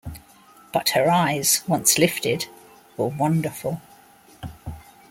But her eyes, once lifted, were wonderful.